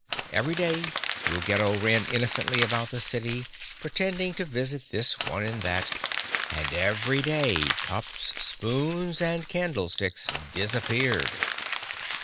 Every day Ruggedo ran innocently about the city, pretending to visit this one and that, and every day cups, spoons, and candlesticks disappeared.